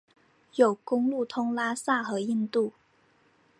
有公路通拉萨和印度。